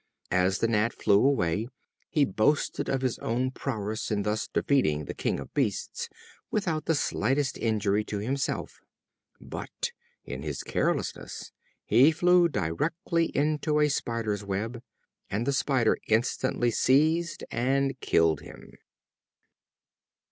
As the Gnat flew away he boasted of his own prowess in thus defeating the King of Beasts without the slightest injury to himself. But, in his carelessness, he flew directly into a spider's web, and the spider instantly seized and killed him.